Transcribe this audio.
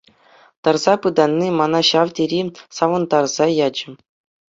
Тарса пытанни мана ҫав тери савӑнтарса ячӗ.